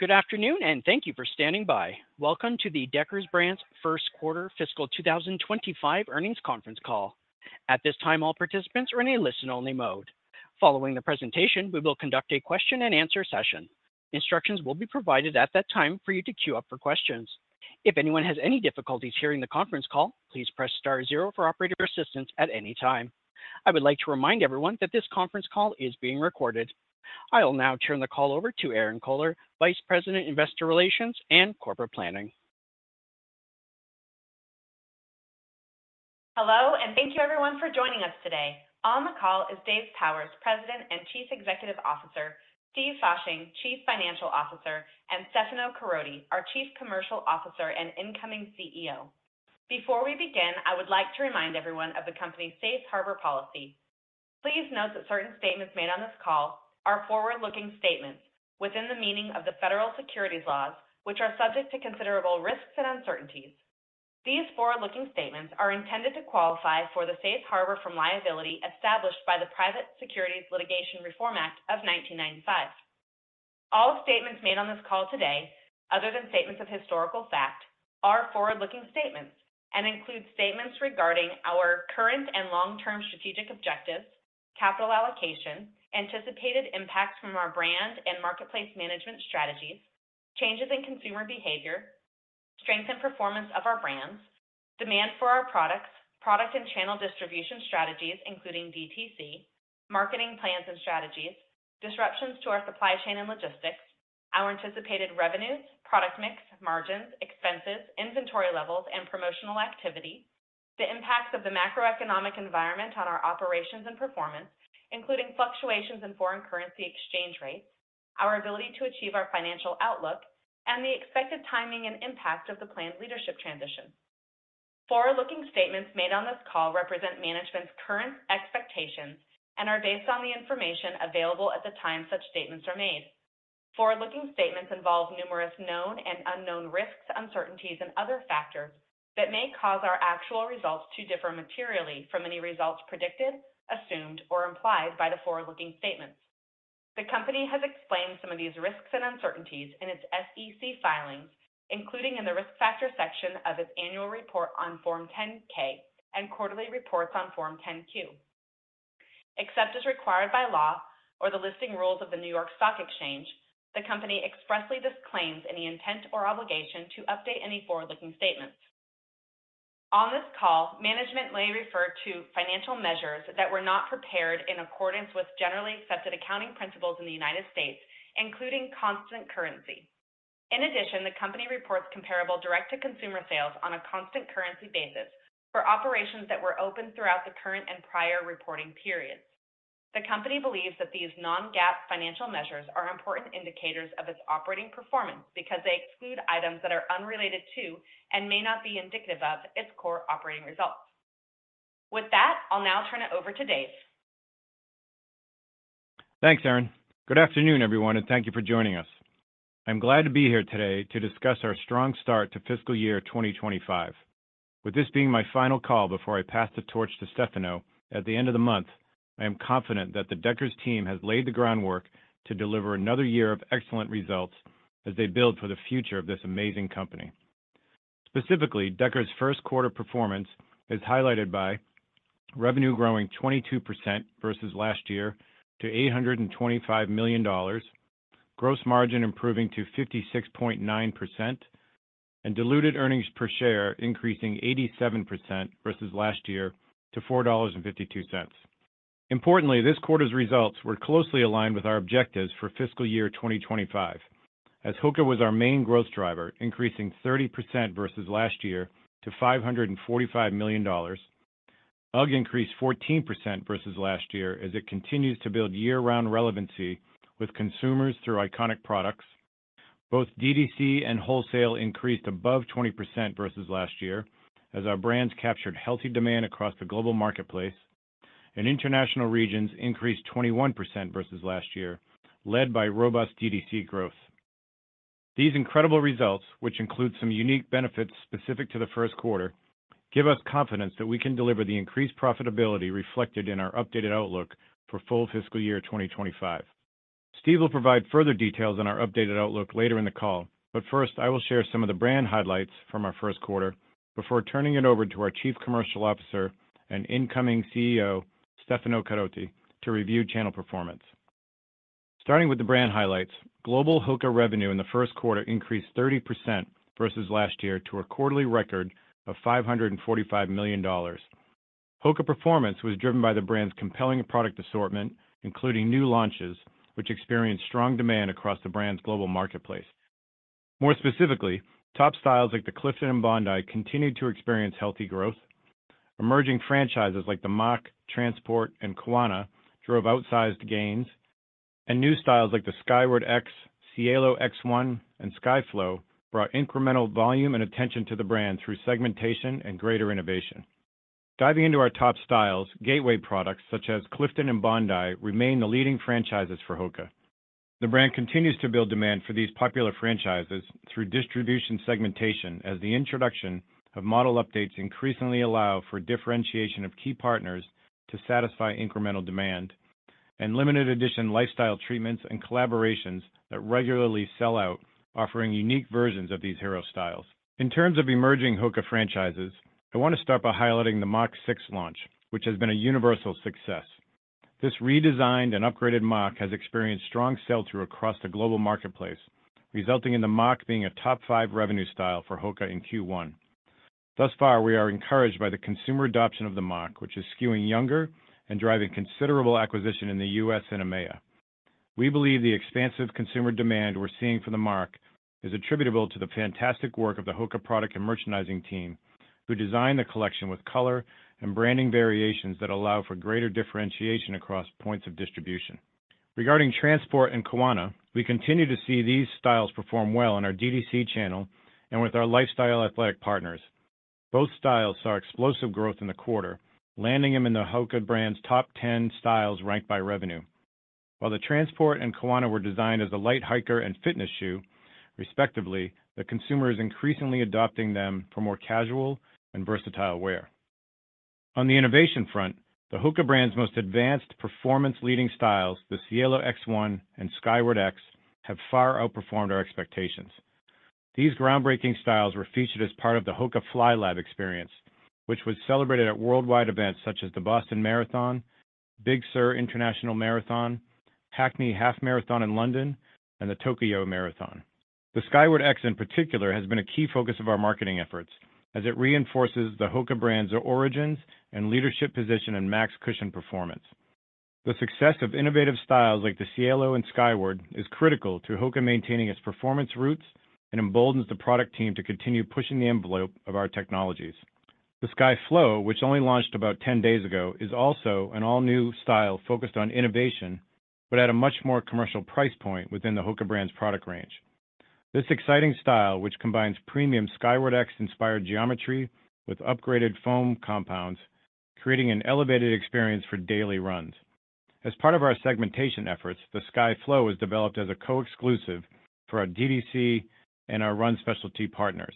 Good afternoon, and thank you for standing by. Welcome to the Deckers Brands first quarter fiscal 2025 earnings conference call. At this time, all participants are in a listen-only mode. Following the presentation, we will conduct a question-and-answer session. Instructions will be provided at that time for you to queue up for questions. If anyone has any difficulties hearing the conference call, please press star zero for operator assistance at any time. I would like to remind everyone that this conference call is being recorded. I will now turn the call over to Erinn Kohler, Vice President, Investor Relations and Corporate Planning. Hello, and thank you everyone for joining us today. On the call is Dave Powers, President and Chief Executive Officer, Steve Fasching, Chief Financial Officer, and Stefano Caroti, our Chief Commercial Officer and incoming CEO. Before we begin, I would like to remind everyone of the company's Safe Harbor policy. Please note that certain statements made on this call are forward-looking statements within the meaning of the federal securities laws, which are subject to considerable risks and uncertainties. These forward-looking statements are intended to qualify for the safe harbor from liability established by the Private Securities Litigation Reform Act of 1995. All statements made on this call today, other than statements of historical fact, are forward-looking statements and include statements regarding our current and long-term strategic objectives, capital allocation, anticipated impacts from our brand and marketplace management strategies, changes in consumer behavior, strength and performance of our brands, demand for our products, product and channel distribution strategies, including DTC, marketing plans and strategies, disruptions to our supply chain and logistics, our anticipated revenues, product mix, margins, expenses, inventory levels, and promotional activity, the impacts of the macroeconomic environment on our operations and performance, including fluctuations in foreign currency exchange rates, our ability to achieve our financial outlook, and the expected timing and impact of the planned leadership transition. Forward-looking statements made on this call represent management's current expectations and are based on the information available at the time such statements are made. Forward-looking statements involve numerous known and unknown risks, uncertainties, and other factors that may cause our actual results to differ materially from any results predicted, assumed, or implied by the forward-looking statements. The Company has explained some of these risks and uncertainties in its SEC filings, including in the Risk Factors section of its annual report on Form 10-K and quarterly reports on Form 10-Q. Except as required by law or the listing rules of the New York Stock Exchange, the company expressly disclaims any intent or obligation to update any forward-looking statements. On this call, management may refer to financial measures that were not prepared in accordance with generally accepted accounting principles in the United States, including Constant Currency. In addition, the company reports comparable direct-to-consumer sales on a Constant Currency basis for operations that were open throughout the current and prior reporting periods. The company believes that these non-GAAP financial measures are important indicators of its operating performance because they exclude items that are unrelated to and may not be indicative of its core operating results. With that, I'll now turn it over to Dave. Thanks, Erinn. Good afternoon, everyone, and thank you for joining us. I'm glad to be here today to discuss our strong start to fiscal year 2025. With this being my final call before I pass the torch to Stefano at the end of the month, I am confident that the Deckers team has laid the groundwork to deliver another year of excellent results as they build for the future of this amazing company. Specifically, Deckers' first quarter performance is highlighted by revenue growing 22% versus last year to $825 million, gross margin improving to 56.9%, and diluted earnings per share increasing 87% versus last year to $4.52. Importantly, this quarter's results were closely aligned with our objectives for fiscal year 2025, as HOKA was our main growth driver, increasing 30% versus last year to $545 million. UGG increased 14% versus last year as it continues to build year-round relevancy with consumers through iconic products. Both DTC and wholesale increased above 20% versus last year, as our brands captured healthy demand across the global marketplace, and international regions increased 21% versus last year, led by robust DTC growth. These incredible results, which include some unique benefits specific to the first quarter, give us confidence that we can deliver the increased profitability reflected in our updated outlook for full fiscal year 2025. Steve will provide further details on our updated outlook later in the call, but first, I will share some of the brand highlights from our first quarter before turning it over to our Chief Commercial Officer and incoming CEO, Stefano Caroti, to review channel performance. Starting with the brand highlights, global HOKA revenue in the first quarter increased 30% versus last year to a quarterly record of $545 million. HOKA performance was driven by the brand's compelling product assortment, including new launches, which experienced strong demand across the brand's global marketplace. More specifically, top styles like the Clifton and Bondi continued to experience healthy growth. Emerging franchises like the Mach, Transport, and Kawana drove outsized gains, and new styles like the Skyward X, Cielo X1, and Skyflow brought incremental volume and attention to the brand through segmentation and greater innovation. Diving into our top styles, gateway products such as Clifton and Bondi remain the leading franchises for HOKA. The brand continues to build demand for these popular franchises through distribution segmentation, as the introduction of model updates increasingly allow for differentiation of key partners to satisfy incremental demand... and limited edition lifestyle treatments and collaborations that regularly sell out, offering unique versions of these hero styles. In terms of emerging HOKA franchises, I want to start by highlighting the Mach 6 launch, which has been a universal success. This redesigned and upgraded Mach has experienced strong sell-through across the global marketplace, resulting in the Mach being a top five revenue style for HOKA in Q1. Thus far, we are encouraged by the consumer adoption of the Mach, which is skewing younger and driving considerable acquisition in the US and EMEA. We believe the expansive consumer demand we're seeing for the Mach is attributable to the fantastic work of the HOKA product and merchandising team, who designed the collection with color and branding variations that allow for greater differentiation across points of distribution. Regarding Transport and Kawana, we continue to see these styles perform well in our DTC channel and with our lifestyle athletic partners. Both styles saw explosive growth in the quarter, landing them in the HOKA brand's top 10 styles ranked by revenue. While the Transport and Kawana were designed as a light hiker and fitness shoe, respectively, the consumer is increasingly adopting them for more casual and versatile wear. On the innovation front, the HOKA brand's most advanced performance-leading styles, the Cielo X1 and Skyward X, have far outperformed our expectations. These groundbreaking styles were featured as part of the HOKA FlyLab experience, which was celebrated at worldwide events such as the Boston Marathon, Big Sur International Marathon, Hackney Half Marathon in London, and the Tokyo Marathon. The Skyward X, in particular, has been a key focus of our marketing efforts as it reinforces the HOKA brand's origins and leadership position in max cushion performance. The success of innovative styles like the Cielo and Skyward is critical to HOKA maintaining its performance roots and emboldens the product team to continue pushing the envelope of our technologies. The Skyflow, which only launched about ten days ago, is also an all-new style focused on innovation, but at a much more commercial price point within the HOKA brand's product range. This exciting style, which combines premium Skyward X-inspired geometry with upgraded foam compounds, creating an elevated experience for daily runs. As part of our segmentation efforts, the Skyflow was developed as a co-exclusive for our DTC and our run specialty partners,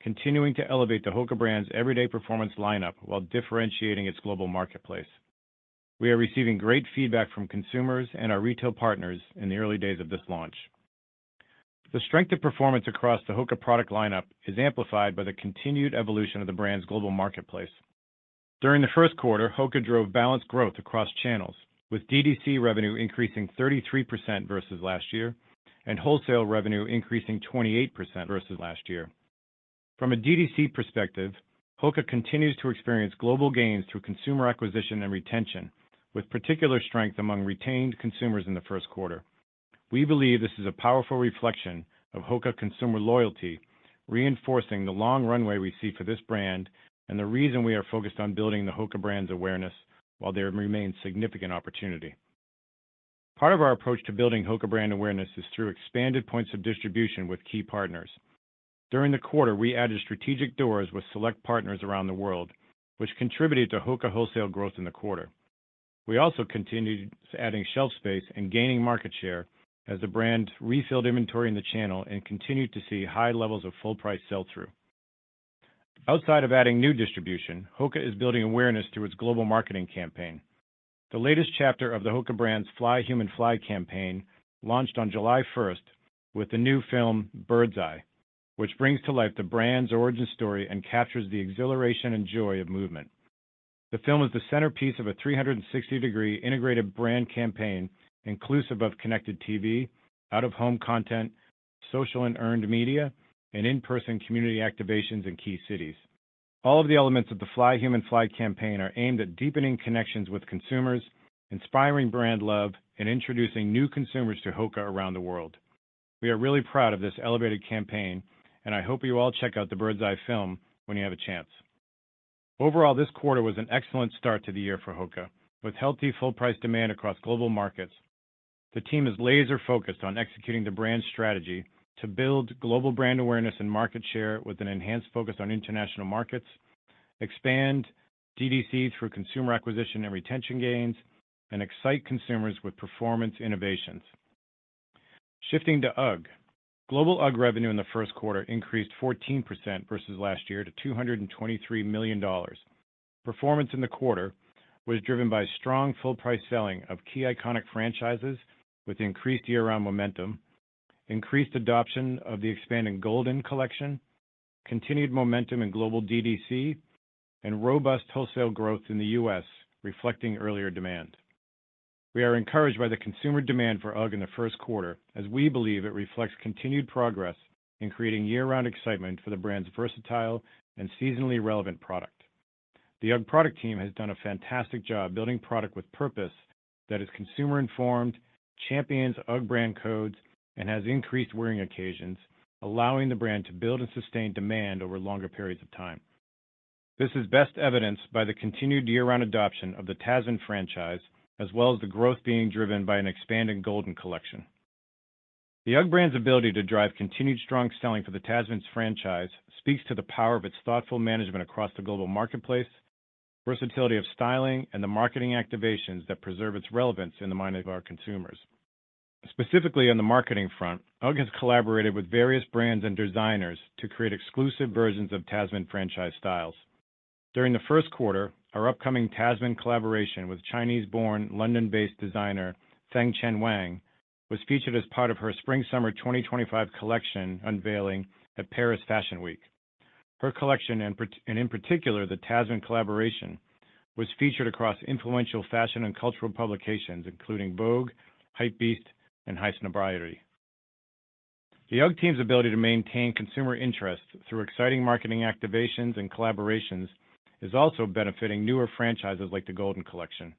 continuing to elevate the HOKA brand's everyday performance lineup while differentiating its global marketplace. We are receiving great feedback from consumers and our retail partners in the early days of this launch. The strength of performance across the HOKA product lineup is amplified by the continued evolution of the brand's global marketplace. During the first quarter, HOKA drove balanced growth across channels, with DTC revenue increasing 33% versus last year, and wholesale revenue increasing 28% versus last year. From a DTC perspective, HOKA continues to experience global gains through consumer acquisition and retention, with particular strength among retained consumers in the first quarter. We believe this is a powerful reflection of HOKA consumer loyalty, reinforcing the long runway we see for this brand and the reason we are focused on building the HOKA brand's awareness while there remains significant opportunity. Part of our approach to building HOKA brand awareness is through expanded points of distribution with key partners. During the quarter, we added strategic doors with select partners around the world, which contributed to HOKA wholesale growth in the quarter. We also continued adding shelf space and gaining market share as the brand refilled inventory in the channel and continued to see high levels of full price sell-through. Outside of adding new distribution, HOKA is building awareness through its global marketing campaign. The latest chapter of the HOKA brand's Fly Human Fly campaign launched on July 1st with the new film, Bird's Eye, which brings to life the brand's origin story and captures the exhilaration and joy of movement. The film is the centerpiece of a 360-degree integrated brand campaign, inclusive of connected TV, out-of-home content, social and earned media, and in-person community activations in key cities. All of the elements of the Fly Human Fly campaign are aimed at deepening connections with consumers, inspiring brand love, and introducing new consumers to HOKA around the world. We are really proud of this elevated campaign, and I hope you all check out the Bird's Eye film when you have a chance. Overall, this quarter was an excellent start to the year for HOKA, with healthy, full price demand across global markets. The team is laser focused on executing the brand's strategy to build global brand awareness and market share with an enhanced focus on international markets, expand DTC through consumer acquisition and retention gains, and excite consumers with performance innovations. Shifting to UGG. Global UGG revenue in the first quarter increased 14% versus last year to $223 million. Performance in the quarter was driven by strong, full price selling of key iconic franchises with increased year-round momentum, increased adoption of the expanding Golden Collection, continued momentum in global DTC, and robust wholesale growth in the U.S., reflecting earlier demand. We are encouraged by the consumer demand for UGG in the first quarter, as we believe it reflects continued progress in creating year-round excitement for the brand's versatile and seasonally relevant product. The UGG product team has done a fantastic job building product with purpose that is consumer informed, champions UGG brand codes, and has increased wearing occasions, allowing the brand to build and sustain demand over longer periods of time. This is best evidenced by the continued year-round adoption of the Tasman franchise, as well as the growth being driven by an expanding Golden Collection. The UGG brand's ability to drive continued strong selling for the Tasman's franchise speaks to the power of its thoughtful management across the global marketplace, versatility of styling, and the marketing activations that preserve its relevance in the mind of our consumers.... Specifically, on the marketing front, UGG has collaborated with various brands and designers to create exclusive versions of Tasman franchise styles. During the first quarter, our upcoming Tasman collaboration with Chinese-born, London-based designer, Feng Chen Wang, was featured as part of her Spring-Summer 2025 collection unveiling at Paris Fashion Week. Her collection, and in particular, the Tasman collaboration, was featured across influential fashion and cultural publications, including Vogue, Hypebeast, and Highsnobiety. The UGG team's ability to maintain consumer interest through exciting marketing activations and collaborations is also benefiting newer franchises like the Golden Collection.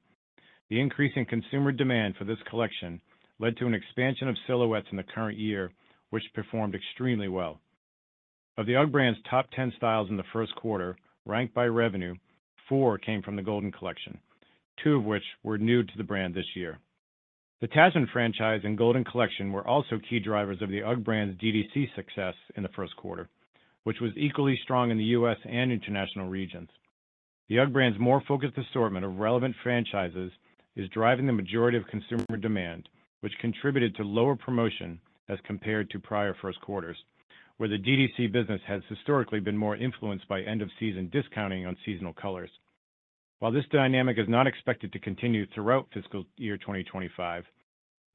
The increase in consumer demand for this collection led to an expansion of silhouettes in the current year, which performed extremely well. Of the UGG brand's top 10 styles in the first quarter, ranked by revenue, four came from the Golden Collection, two of which were new to the brand this year. The Tasman franchise and Golden Collection were also key drivers of the UGG brand's DTC success in the first quarter, which was equally strong in the U.S. and international regions. The UGG brand's more focused assortment of relevant franchises is driving the majority of consumer demand, which contributed to lower promotion as compared to prior first quarters, where the DTC business has historically been more influenced by end-of-season discounting on seasonal colors. While this dynamic is not expected to continue throughout fiscal year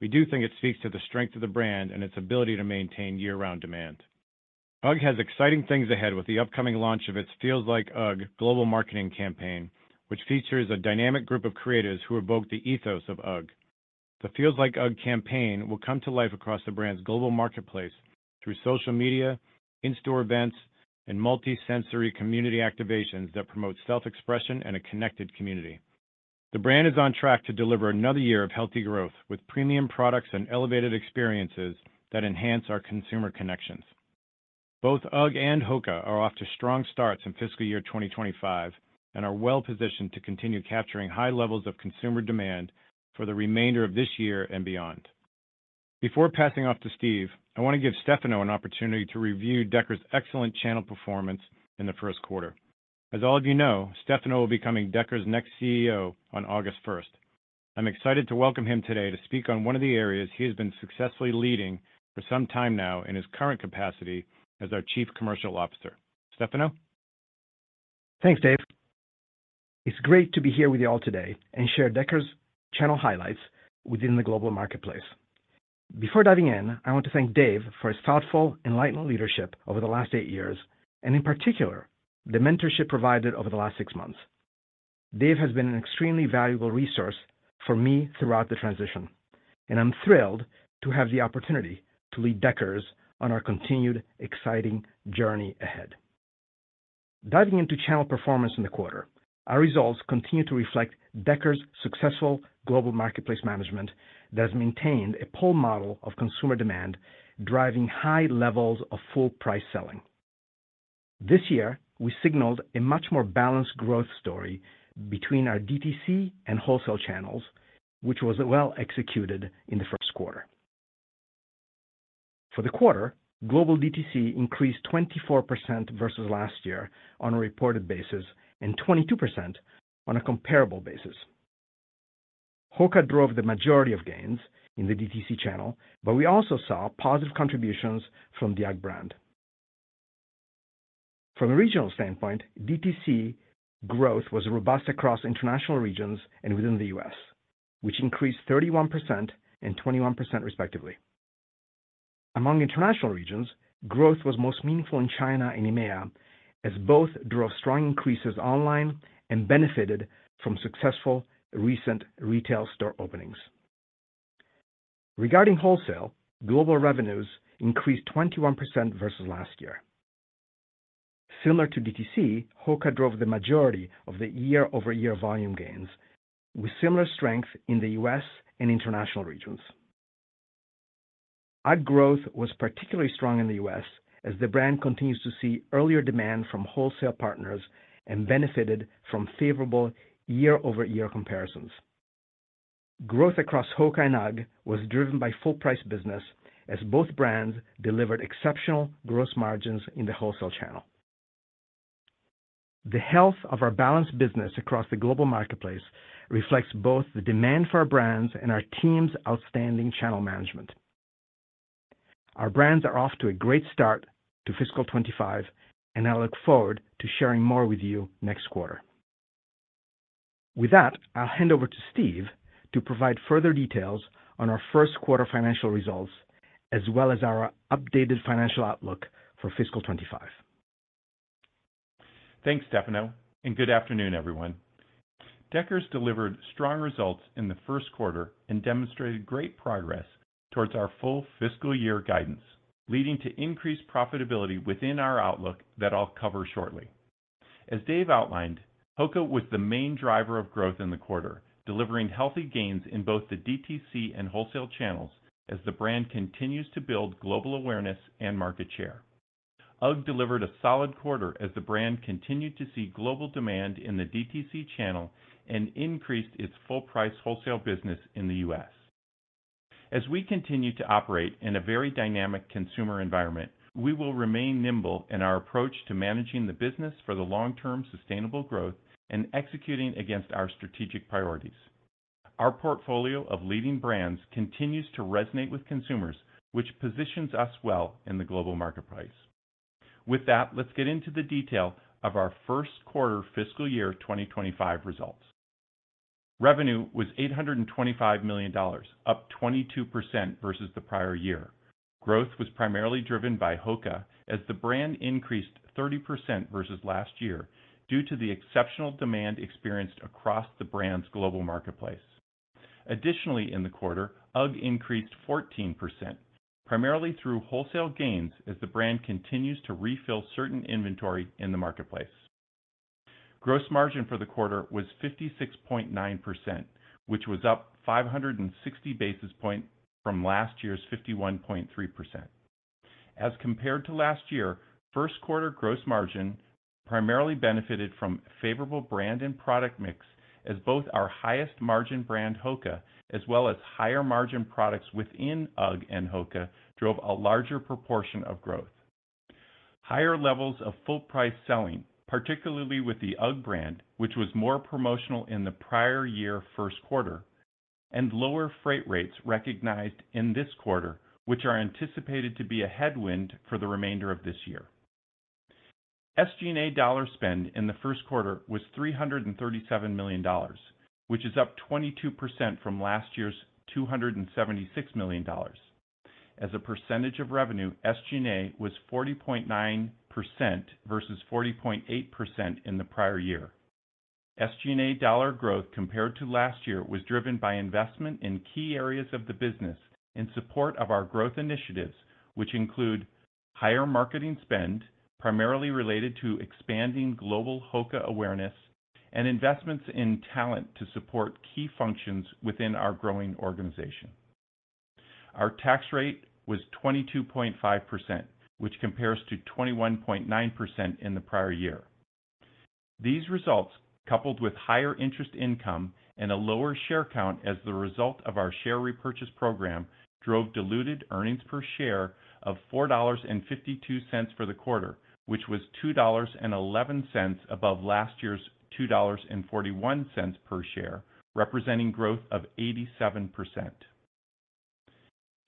2025, we do think it speaks to the strength of the brand and its ability to maintain year-round demand. UGG has exciting things ahead with the upcoming launch of its Feels Like UGG global marketing campaign, which features a dynamic group of creatives who evoke the ethos of UGG. \ The Feels Like UGG campaign will come to life across the brand's global marketplace through social media, in-store events, and multi-sensory community activations that promote self-expression and a connected community. The brand is on track to deliver another year of healthy growth, with premium products and elevated experiences that enhance our consumer connections. Both UGG and HOKA are off to strong starts in fiscal year 2025 and are well-positioned to continue capturing high levels of consumer demand for the remainder of this year and beyond. Before passing off to Steve, I want to give Stefano an opportunity to review Deckers' excellent channel performance in the first quarter. As all of you know, Stefano will be becoming Deckers' next CEO on August first. I'm excited to welcome him today to speak on one of the areas he has been successfully leading for some time now in his current capacity as our Chief Commercial Officer. Stefano? Thanks, Dave. It's great to be here with you all today and share Deckers' channel highlights within the global marketplace. Before diving in, I want to thank Dave for his thoughtful, enlightened leadership over the last eight years, and in particular, the mentorship provided over the last six months. Dave has been an extremely valuable resource for me throughout the transition, and I'm thrilled to have the opportunity to lead Deckers on our continued exciting journey ahead. Diving into channel performance in the quarter, our results continue to reflect Deckers' successful global marketplace management that has maintained a pull model of consumer demand, driving high levels of full-price selling. This year, we signaled a much more balanced growth story between our DTC and wholesale channels, which was well-executed in the first quarter. For the quarter, global DTC increased 24% versus last year on a reported basis and 22% on a comparable basis. HOKA drove the majority of gains in the DTC channel, but we also saw positive contributions from the UGG brand. From a regional standpoint, DTC growth was robust across international regions and within the U.S., which increased 31% and 21% respectively. Among international regions, growth was most meaningful in China and EMEA, as both drove strong increases online and benefited from successful recent retail store openings. Regarding wholesale, global revenues increased 21% versus last year. Similar to DTC, HOKA drove the majority of the year-over-year volume gains with similar strength in the U.S. and international regions. UGG growth was particularly strong in the U.S. as the brand continues to see earlier demand from wholesale partners and benefited from favorable year-over-year comparisons. Growth across HOKA and UGG was driven by full-price business as both brands delivered exceptional gross margins in the wholesale channel. The health of our balanced business across the global marketplace reflects both the demand for our brands and our team's outstanding channel management. Our brands are off to a great start to fiscal 2025, and I look forward to sharing more with you next quarter. With that, I'll hand over to Steve to provide further details on our first quarter financial results, as well as our updated financial outlook for fiscal 2025. Thanks, Stefano, and good afternoon, everyone. Deckers delivered strong results in the first quarter and demonstrated great progress towards our full fiscal year guidance, leading to increased profitability within our outlook that I'll cover shortly. As Dave outlined, HOKA was the main driver of growth in the quarter, delivering healthy gains in both the DTC and wholesale channels as the brand continues to build global awareness and market share. UGG delivered a solid quarter as the brand continued to see global demand in the DTC channel and increased its full-price wholesale business in the U.S. As we continue to operate in a very dynamic consumer environment, we will remain nimble in our approach to managing the business for the long-term sustainable growth and executing against our strategic priorities. Our portfolio of leading brands continues to resonate with consumers, which positions us well in the global marketplace. ...With that, let's get into the detail of our first quarter fiscal year 2025 results. Revenue was $825 million, up 22% versus the prior year. Growth was primarily driven by HOKA, as the brand increased 30% versus last year due to the exceptional demand experienced across the brand's global marketplace. Additionally, in the quarter, UGG increased 14%, primarily through wholesale gains as the brand continues to refill certain inventory in the marketplace. Gross margin for the quarter was 56.9%, which was up 560 basis points from last year's 51.3%. As compared to last year, first quarter gross margin primarily benefited from favorable brand and product mix as both our highest margin brand, HOKA, as well as higher margin products within UGG and HOKA, drove a larger proportion of growth. Higher levels of full price selling, particularly with the UGG brand, which was more promotional in the prior year first quarter, and lower freight rates recognized in this quarter, which are anticipated to be a headwind for the remainder of this year. SG&A dollar spend in the first quarter was $337 million, which is up 22% from last year's $276 million. As a percentage of revenue, SG&A was 40.9% versus 40.8% in the prior year. SG&A dollar growth compared to last year was driven by investment in key areas of the business in support of our growth initiatives, which include higher marketing spend, primarily related to expanding global HOKA awareness and investments in talent to support key functions within our growing organization. Our tax rate was 22.5%, which compares to 21.9% in the prior year. These results, coupled with higher interest income and a lower share count as the result of our share repurchase program, drove diluted earnings per share of $4.52 for the quarter, which was $2.11 above last year's $2.41 per share, representing growth of 87%.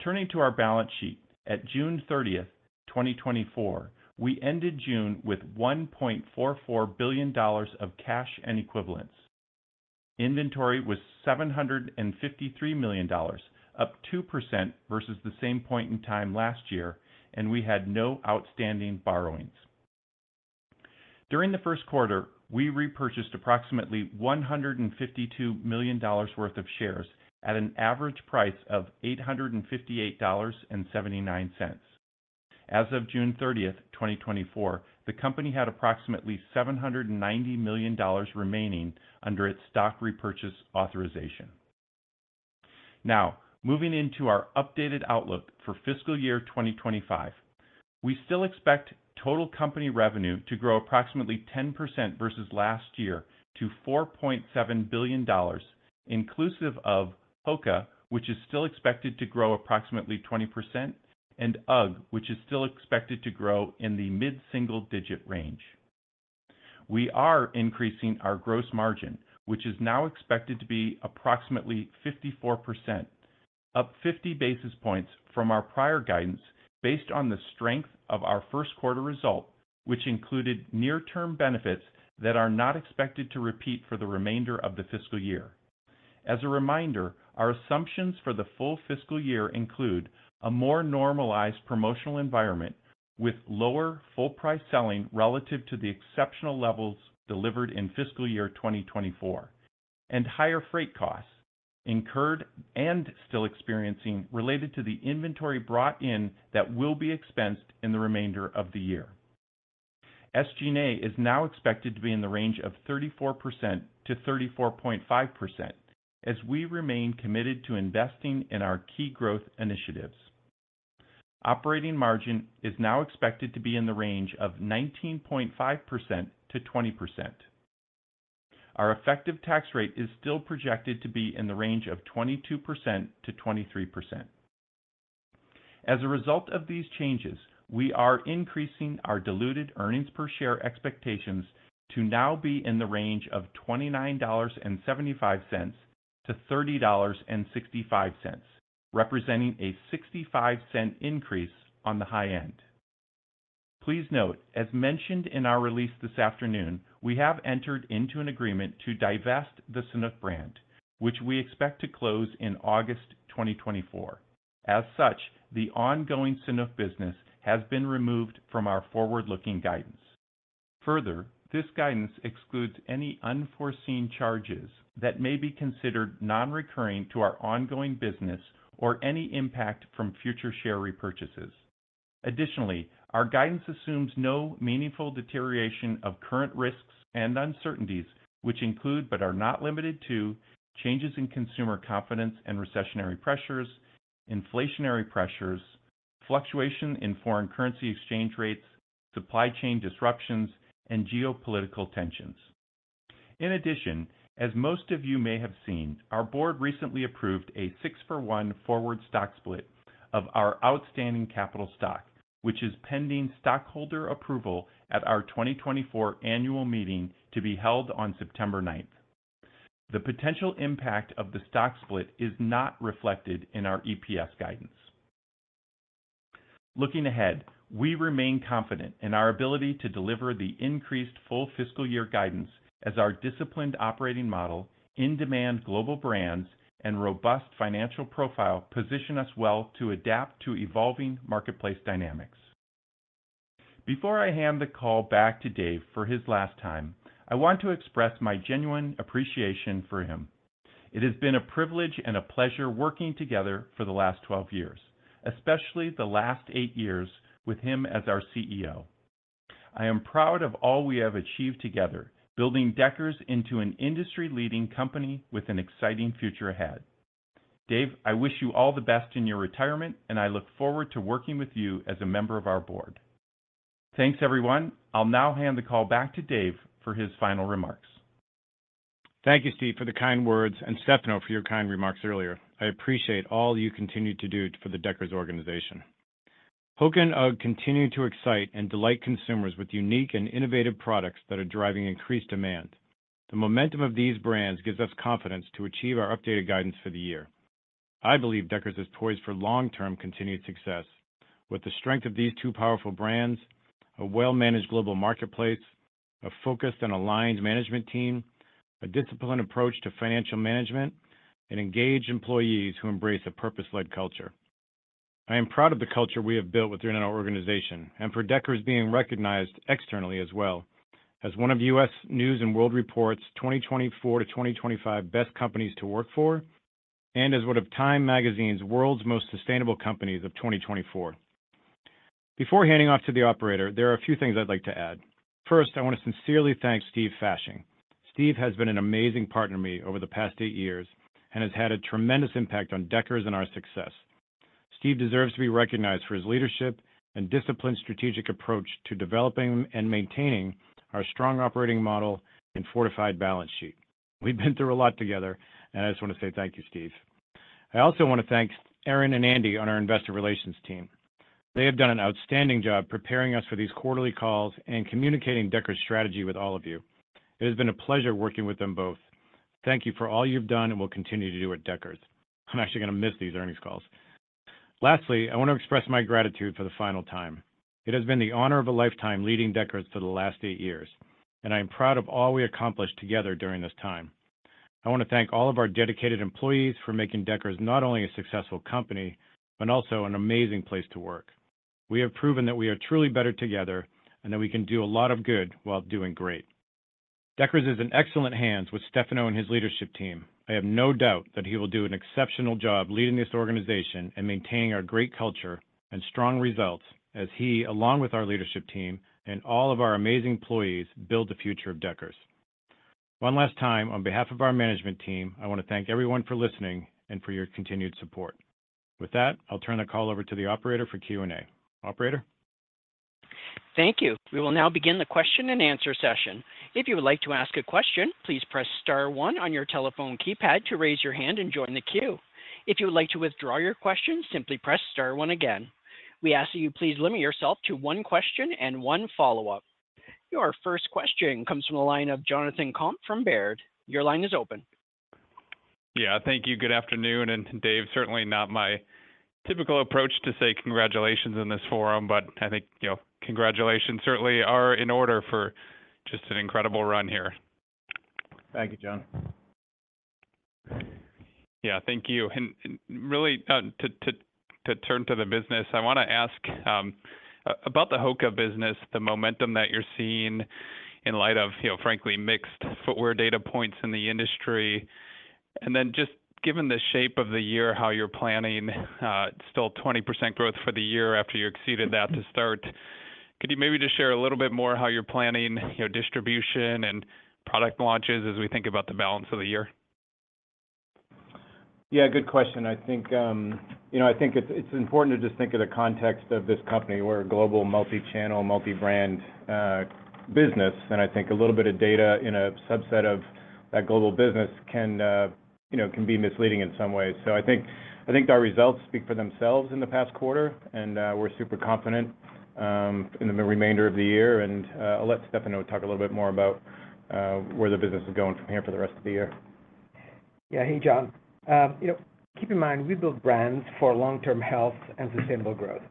Turning to our balance sheet. At June 30, 2024, we ended June with $1.4 billion of cash and equivalents. Inventory was $753 million, up 2% versus the same point in time last year, and we had no outstanding borrowings. During the first quarter, we repurchased approximately $152 million worth of shares at an average price of $858.79. As of June thirtieth, 2024, the company had approximately $790 million remaining under its stock repurchase authorization. Now, moving into our updated outlook for fiscal year 2025. We still expect total company revenue to grow approximately 10% versus last year to $4.7 billion, inclusive of HOKA, which is still expected to grow approximately 20%, and UGG, which is still expected to grow in the mid-single digit range. We are increasing our gross margin, which is now expected to be approximately 54%, up 50 basis points from our prior guidance based on the strength of our first quarter result, which included near-term benefits that are not expected to repeat for the remainder of the fiscal year. As a reminder, our assumptions for the full fiscal year include a more normalized promotional environment with lower full price selling relative to the exceptional levels delivered in fiscal year 2024, and higher freight costs incurred and still experiencing related to the inventory brought in that will be expensed in the remainder of the year. SG&A is now expected to be in the range of 34%-34.5%, as we remain committed to investing in our key growth initiatives. Operating margin is now expected to be in the range of 19.5%-20%. Our effective tax rate is still projected to be in the range of 22%-23%. As a result of these changes, we are increasing our diluted earnings per share expectations to now be in the range of $29.75-$30.65, representing a $0.65 increase on the high end. Please note, as mentioned in our release this afternoon, we have entered into an agreement to divest the Sanuk brand, which we expect to close in August 2024. As such, the ongoing Sanuk business has been removed from our forward-looking guidance. Further, this guidance excludes any unforeseen charges that may be considered non-recurring to our ongoing business or any impact from future share repurchases. Additionally, our guidance assumes no meaningful deterioration of current risks and uncertainties, which include, but are not limited to, changes in consumer confidence and recessionary pressures, inflationary pressures, fluctuation in foreign currency exchange rates, supply chain disruptions, and geopolitical tensions. In addition, as most of you may have seen, our board recently approved a 6-for-1 forward stock split of our outstanding capital stock, which is pending stockholder approval at our 2024 annual meeting to be held on September ninth.... The potential impact of the stock split is not reflected in our EPS guidance. Looking ahead, we remain confident in our ability to deliver the increased full fiscal year guidance as our disciplined operating model, in-demand global brands, and robust financial profile position us well to adapt to evolving marketplace dynamics. Before I hand the call back to Dave for his last time, I want to express my genuine appreciation for him. It has been a privilege and a pleasure working together for the last 12 years, especially the last 8 years with him as our CEO. I am proud of all we have achieved together, building Deckers into an industry-leading company with an exciting future ahead. Dave, I wish you all the best in your retirement, and I look forward to working with you as a member of our board. Thanks, everyone. I'll now hand the call back to Dave for his final remarks. Thank you, Steve, for the kind words, and Stefano, for your kind remarks earlier. I appreciate all you continue to do for the Deckers organization. HOKA and UGG continue to excite and delight consumers with unique and innovative products that are driving increased demand. The momentum of these brands gives us confidence to achieve our updated guidance for the year. I believe Deckers is poised for long-term continued success with the strength of these two powerful brands, a well-managed global marketplace, a focused and aligned management team, a disciplined approach to financial management, and engaged employees who embrace a purpose-led culture. I am proud of the culture we have built within our organization and for Deckers being recognized externally as well as one of U.S. News & World Report's 2024-2025 best companies to work for and as one of Time magazine's World's Most Sustainable Companies of 2024. Before handing off to the operator, there are a few things I'd like to add. First, I want to sincerely thank Steve Fasching. Steve has been an amazing partner to me over the past eight years and has had a tremendous impact on Deckers and our success. Steve deserves to be recognized for his leadership and disciplined strategic approach to developing and maintaining our strong operating model and fortified balance sheet. We've been through a lot together, and I just want to say thank you, Steve. I also want to thank Erinn and Andy on our investor relations team. They have done an outstanding job preparing us for these quarterly calls and communicating Deckers' strategy with all of you. It has been a pleasure working with them both. Thank you for all you've done and will continue to do at Deckers. I'm actually gonna miss these earnings calls. Lastly, I want to express my gratitude for the final time. It has been the honor of a lifetime leading Deckers for the last eight years, and I am proud of all we accomplished together during this time. I want to thank all of our dedicated employees for making Deckers not only a successful company, but also an amazing place to work. We have proven that we are truly better together, and that we can do a lot of good while doing great. Deckers is in excellent hands with Stefano and his leadership team. I have no doubt that he will do an exceptional job leading this organization and maintaining our great culture and strong results as he, along with our leadership team and all of our amazing employees, build the future of Deckers. One last time, on behalf of our management team, I want to thank everyone for listening and for your continued support. With that, I'll turn the call over to the operator for Q&A. Operator? Thank you. We will now begin the question-and-answer session. If you would like to ask a question, please press star one on your telephone keypad to raise your hand and join the queue. If you would like to withdraw your question, simply press star one again. We ask that you please limit yourself to one question and one follow-up. Your first question comes from the line of Jonathan Komp from Baird. Your line is open. Yeah, thank you. Good afternoon, and Dave, certainly not my typical approach to say congratulations in this forum, but I think, you know, congratulations certainly are in order for just an incredible run here. Thank you, John. Yeah. Thank you. And really, to turn to the business, I wanna ask about the HOKA business, the momentum that you're seeing in light of, you know, frankly, mixed footwear data points in the industry, and then just given the shape of the year, how you're planning still 20% growth for the year after you exceeded that to start. Could you maybe just share a little bit more how you're planning your distribution and product launches as we think about the balance of the year? Yeah, good question. I think, you know, I think it's, it's important to just think of the context of this company. We're a global, multi-channel, multi-brand, business, and I think a little bit of data in a subset of that global business can, you know, can be misleading in some ways. So I think, I think our results speak for themselves in the past quarter, and, we're super confident, in the remainder of the year. And, I'll let Stefano talk a little bit more about, where the business is going from here for the rest of the year. Yeah. Hey, John. You know, keep in mind, we build brands for long-term health and sustainable growth.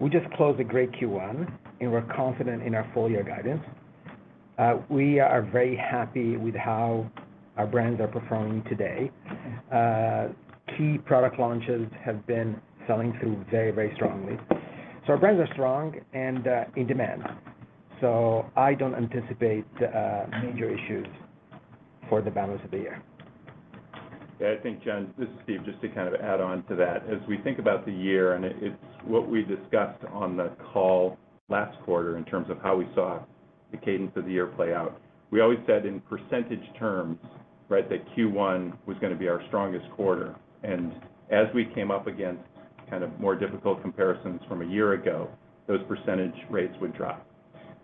We just closed a great Q1, and we're confident in our full-year guidance. We are very happy with how our brands are performing today. Key product launches have been selling through very, very strongly. So our brands are strong and in demand, so I don't anticipate major issues for the balance of the year. Yeah, I think, John, this is Steve, just to kind of add on to that. As we think about the year, and it, it's what we discussed on the call last quarter in terms of how we saw the cadence of the year play out, we always said in percentage terms, right, that Q1 was gonna be our strongest quarter, and as we came up against kind of more difficult comparisons from a year ago, those percentage rates would drop.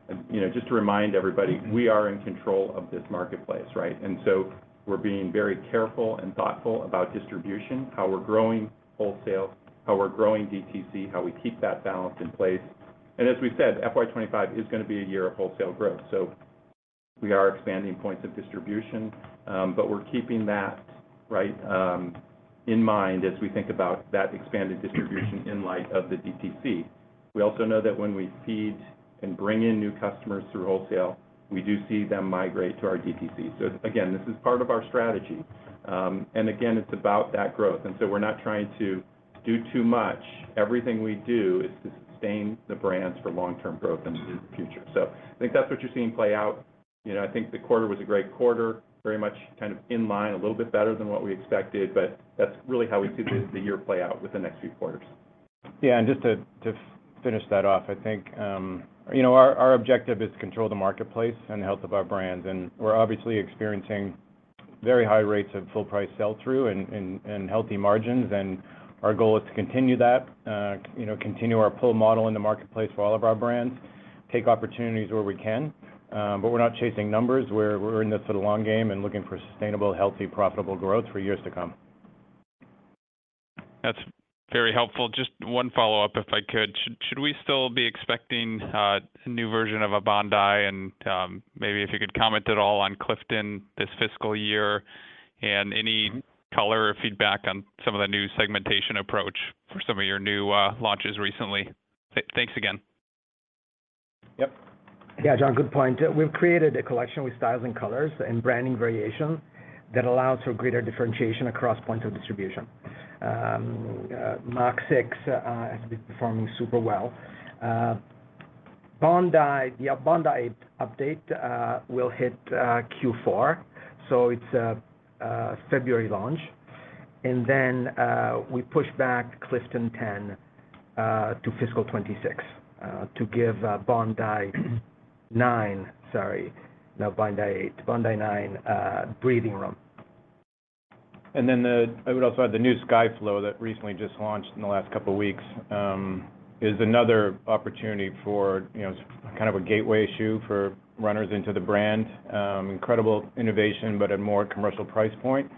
And, you know, just to remind everybody, we are in control of this marketplace, right? And so we're being very careful and thoughtful about distribution, how we're growing wholesale, how we're growing DTC, and how we keep that balance in place.... and as we said, FY 2025 is gonna be a year of wholesale growth. So we are expanding points of distribution, but we're keeping that, right, in mind as we think about that expanded distribution in light of the DTC. We also know that when we seed and bring in new customers through wholesale, we do see them migrate to our DTC. So again, this is part of our strategy. And again, it's about that growth, and so we're not trying to do too much. Everything we do is to sustain the brands for long-term growth into the future. So I think that's what you're seeing play out. You know, I think the quarter was a great quarter, very much kind of in line, a little bit better than what we expected, but that's really how we see the year play out with the next few quarters. Yeah, and just to finish that off, I think, you know, our objective is to control the marketplace and the health of our brands, and we're obviously experiencing very high rates of full price sell-through and healthy margins, and our goal is to continue that. You know, continue our pull model in the marketplace for all of our brands, take opportunities where we can, but we're not chasing numbers. We're in this for the long game and looking for sustainable, healthy, profitable growth for years to come. That's very helpful. Just one follow-up, if I could. Should we still be expecting a new version of a Bondi? And maybe if you could comment at all on Clifton this fiscal year, and any color or feedback on some of the new segmentation approach for some of your new launches recently. Thanks again. Yep. Yeah, John, good point. We've created a collection with styles and colors and branding variations that allows for greater differentiation across points of distribution. Mach 6 has been performing super well. Bondi, the Bondi update, will hit Q4, so it's a February launch. And then, we pushed back Clifton 10 to fiscal 2026 to give Bondi 9, sorry, not Bondi 8, Bondi 9, breathing room. I would also add the new Skyflow that recently just launched in the last couple of weeks is another opportunity for, you know, kind of a gateway shoe for runners into the brand. Incredible innovation, but at a more commercial price point,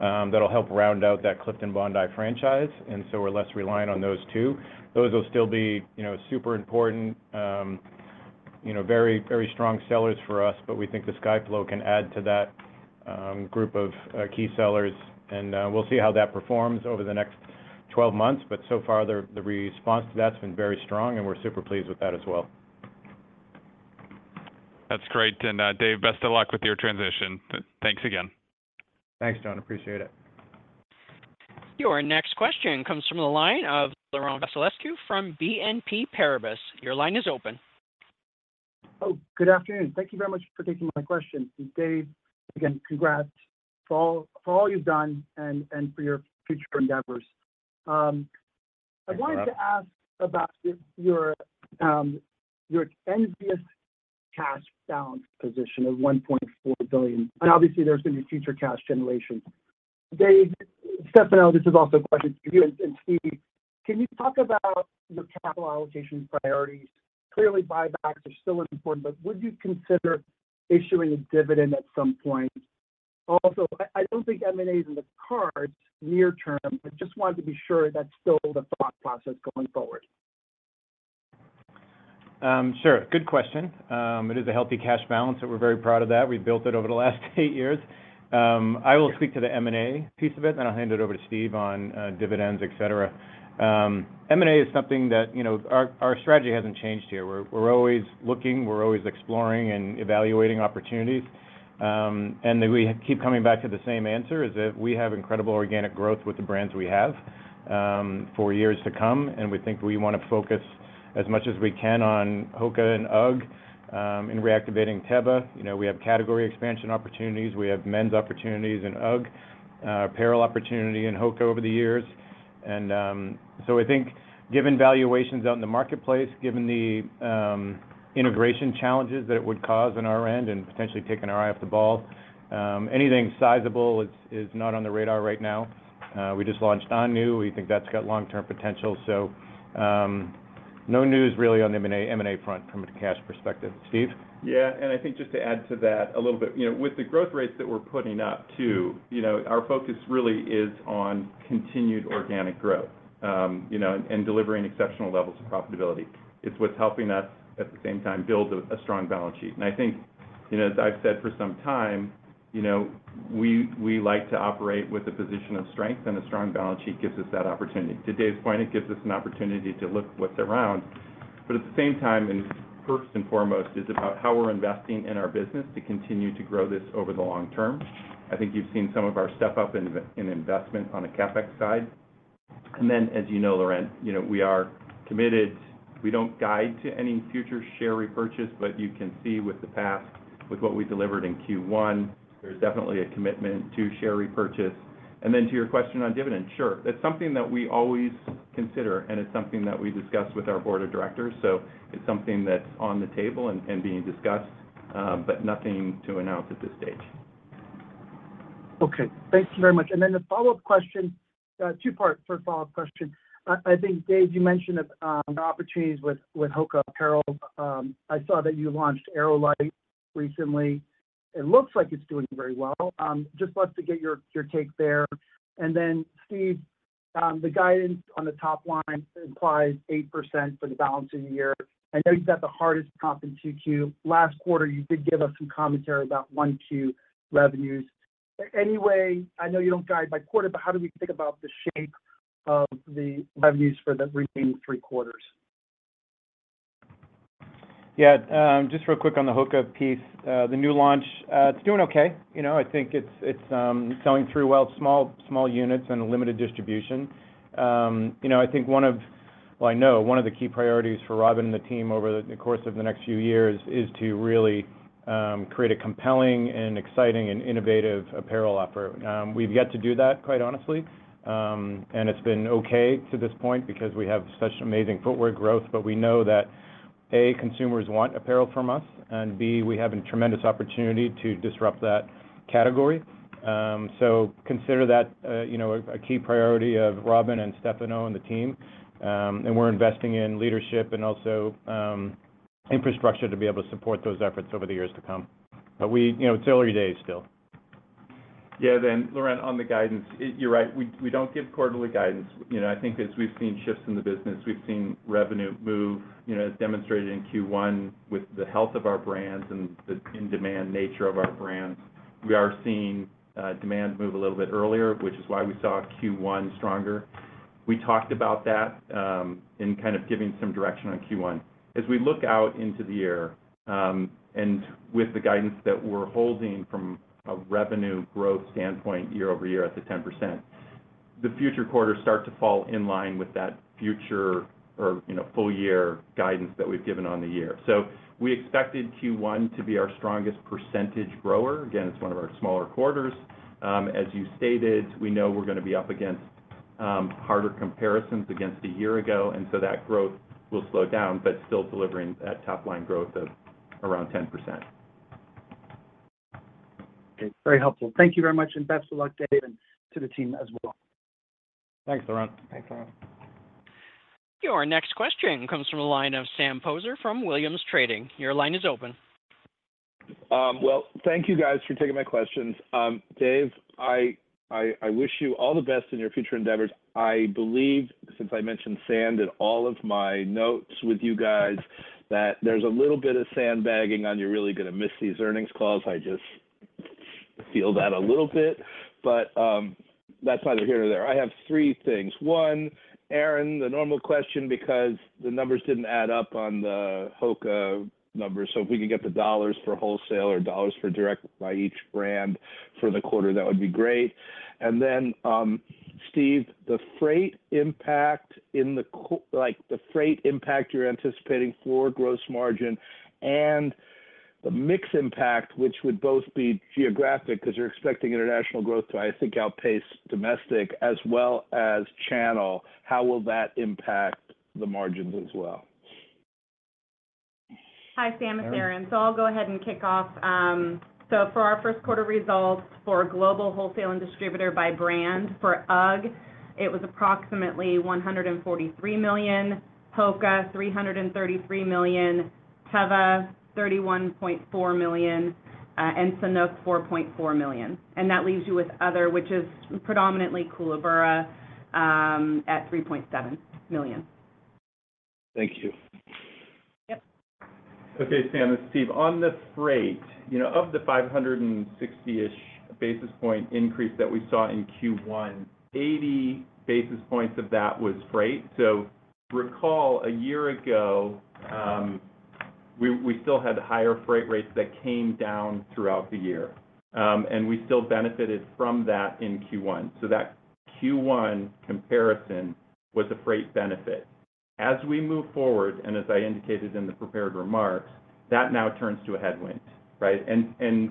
that'll help round out that Clifton Bondi franchise, and so we're less reliant on those two. Those will still be, you know, super important, you know, very, very strong sellers for us, but we think the Skyflow can add to that group of key sellers, and we'll see how that performs over the next 12 months. But so far, the response to that's been very strong, and we're super pleased with that as well. That's great. And, Dave, best of luck with your transition. Thanks again. Thanks, John. Appreciate it. Your next question comes from the line of Laurent Vasilescu from BNP Paribas. Your line is open. Oh, good afternoon. Thank you very much for taking my question. Dave, again, congrats for all you've done and for your future endeavors. Thanks, Laurent... I wanted to ask about your envious cash balance position of $1.4 billion, and obviously, there's gonna be future cash generation. Dave, Stefano, this is also a question to you and Steve: Can you talk about your capital allocation priorities? Clearly, buybacks are still important, but would you consider issuing a dividend at some point? Also, I don't think M&A is in the cards near term, but just wanted to be sure that's still the thought process going forward. Sure. Good question. It is a healthy cash balance, and we're very proud of that. We've built it over the last eight years. I will speak to the M&A piece of it, and then I'll hand it over to Steve on dividends, et cetera. M&A is something that, you know, our strategy hasn't changed here. We're always looking, we're always exploring and evaluating opportunities, and then we keep coming back to the same answer, is that we have incredible organic growth with the brands we have for years to come, and we think we wanna focus as much as we can on HOKA and UGG and reactivating Teva. You know, we have category expansion opportunities, we have men's opportunities in UGG, apparel opportunity in HOKA over the years. So I think given valuations out in the marketplace, given the integration challenges that it would cause on our end and potentially taking our eye off the ball, anything sizable is not on the radar right now. We just launched Ahnu. We think that's got long-term potential, so no news really on the M&A, M&A front from a cash perspective. Steve? Yeah, and I think just to add to that a little bit, you know, with the growth rates that we're putting up, too, you know, our focus really is on continued organic growth, you know, and delivering exceptional levels of profitability. It's what's helping us, at the same time, build a strong balance sheet. And I think, you know, as I've said for some time, you know, we like to operate with a position of strength, and a strong balance sheet gives us that opportunity. To Dave's point, it gives us an opportunity to look what's around, but at the same time, and first and foremost, is about how we're investing in our business to continue to grow this over the long term. I think you've seen some of our step up in investment on the CapEx side. And then, as you know, Laurent, you know, we are committed. We don't guide to any future share repurchase, but you can see with the past, with what we delivered in Q1, there's definitely a commitment to share repurchase. And then to your question on dividends, sure, it's something that we always consider, and it's something that we discuss with our board of directors. So it's something that's on the table and being discussed, but nothing to announce at this stage. Okay. Thank you very much. And then the follow-up question, two-part for a follow-up question. I think, Dave, you mentioned opportunities with HOKA Apparel. I saw that you launched Airolite recently; it looks like it's doing very well. Just love to get your take there. And then, Steve, the guidance on the top line implies 8% for the balance of the year. I know you've got the hardest comp in Q2. Last quarter, you did give us some commentary about Q2 revenues. Anyway, I know you don't guide by quarter, but how do we think about the shape of the revenues for the remaining three quarters? Yeah, just real quick on the HOKA piece. The new launch, it's doing okay. You know, I think it's selling through well, small units and a limited distribution. You know, I think one of the key priorities for Robin and the team over the course of the next few years is to really create a compelling and exciting and innovative apparel offer. We've yet to do that, quite honestly. And it's been okay to this point because we have such amazing footwear growth, but we know that, A, consumers want apparel from us, and B, we have a tremendous opportunity to disrupt that category. So consider that, you know, a key priority of Robin and Stefano and the team. And we're investing in leadership and also, infrastructure to be able to support those efforts over the years to come. But we, you know, it's early days still. Yeah, then, Laurent, on the guidance, you're right, we, we don't give quarterly guidance. You know, I think as we've seen shifts in the business, we've seen revenue move, you know, as demonstrated in Q1 with the health of our brands and the in-demand nature of our brands, we are seeing demand move a little bit earlier, which is why we saw Q1 stronger. We talked about that in kind of giving some direction on Q1. As we look out into the year, and with the guidance that we're holding from a revenue growth standpoint year-over-year at the 10%, the future quarters start to fall in line with that future or, you know, full year guidance that we've given on the year. So we expected Q1 to be our strongest percentage grower. Again, it's one of our smaller quarters. As you stated, we know we're gonna be up against harder comparisons against a year ago, and so that growth will slow down, but still delivering that top line growth of around 10%. Okay. Very helpful. Thank you very much, and best of luck, Dave, and to the team as well. Thanks, Laurent. Thanks, Laurent. Your next question comes from the line of Sam Poser from Williams Trading. Your line is open. Well, thank you guys for taking my questions. Dave, I wish you all the best in your future endeavors. I believe, since I mentioned sand in all of my notes with you guys, that there's a little bit of sandbagging, and you're really gonna miss these earnings calls. I just feel that a little bit, but that's neither here nor there. I have three things. One, Erinn, the normal question because the numbers didn't add up on the HOKA numbers. So if we could get the dollars for wholesale or dollars for direct by each brand for the quarter, that would be great. And then, Steve, the freight impact in the quarter—like, the freight impact you're anticipating for gross margin and the mix impact, which would both be geographic because you're expecting international growth to, I think, outpace domestic as well as channel. How will that impact the margins as well? Hi, Sam. It's Erinn. I'll go ahead and kick off. So for our first quarter results for global wholesale and distributor by brand, for UGG, it was approximately $143 million; HOKA, $333 million; Teva, $31.4 million; and Sanuk, $4.4 million. That leaves you with other, which is predominantly Koolaburra, at $3.7 million. Thank you. Yep. Okay, Sam, this is Steve. On the freight, you know, of the 560 basis point increase that we saw in Q1, 80 basis points of that was freight. So recall, a year ago, we still had higher freight rates that came down throughout the year, and we still benefited from that in Q1. So that Q1 comparison was a freight benefit. As we move forward, and as I indicated in the prepared remarks, that now turns to a headwind, right? And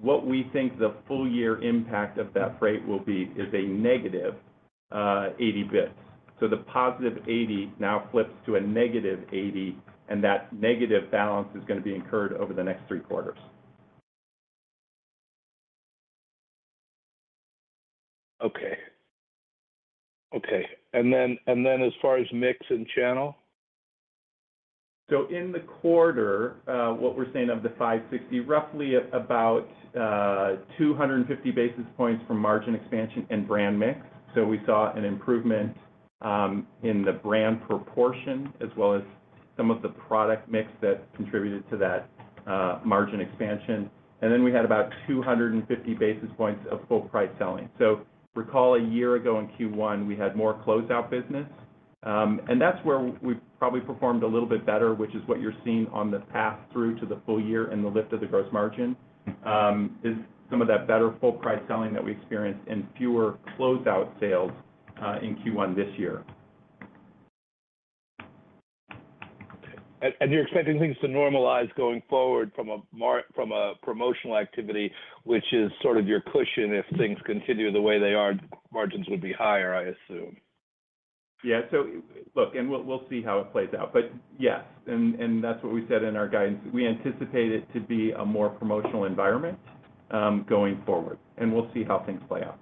what we think the full year impact of that freight will be is a negative 80 basis points. So the positive 80 now flips to a negative 80, and that negative balance is gonna be incurred over the next three quarters. Okay. Okay, and then, and then as far as mix and channel? So in the quarter, what we're saying of the 560, roughly about, 250 basis points from margin expansion and brand mix. So we saw an improvement, in the brand proportion, as well as some of the product mix that contributed to that, margin expansion. And then we had about 250 basis points of full price selling. So recall, a year ago in Q1, we had more closeout business, and that's where we've probably performed a little bit better, which is what you're seeing on the pass-through to the full year and the lift of the gross margin, is some of that better full price selling that we experienced and fewer closeout sales, in Q1 this year. You're expecting things to normalize going forward from a promotional activity, which is sort of your cushion. If things continue the way they are, margins would be higher, I assume. Yeah. So look, we'll see how it plays out. But yes, that's what we said in our guidance. We anticipate it to be a more promotional environment going forward, and we'll see how things play out.